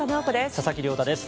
佐々木亮太です。